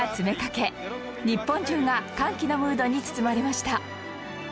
日本中が歓喜のムードに包まれました